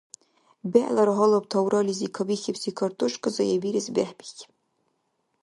БегӀлара гьалаб таврализи кабихьибси картошка заябирес бехӀбихьиб.